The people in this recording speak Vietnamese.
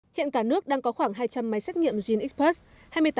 hiện cả nước đang có khoảng hai trăm linh máy xét nghiệm genexperss